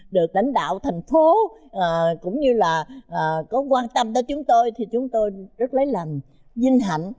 được lãnh đạo thành phố cũng như là có quan tâm tới chúng tôi thì chúng tôi rất lấy lòng vinh hạnh